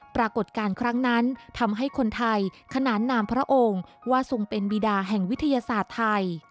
ปรากฏการณ์ครั้งนั้นทำให้คนไทยขนานนามพระองค์ว่าทรงเป็นบีดาแห่งวิทยาศาสตร์ไทย